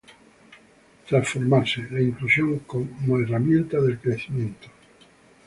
Transformarse, la inclusión como herramienta del crecimiento.